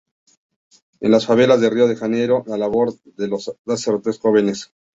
En las favelas de Río de Janeiro, la labor de dos sacerdotes jóvenes.